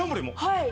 はい。